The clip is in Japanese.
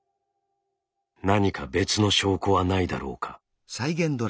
何か別の証拠はないだろうか？